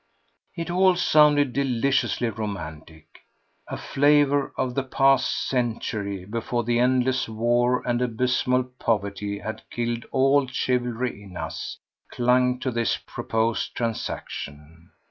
It all sounded deliciously romantic. A flavour of the past century—before the endless war and abysmal poverty had killed all chivalry in us—clung to this proposed transaction.